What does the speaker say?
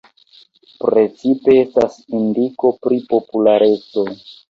Precipe estas indiko pri populareco.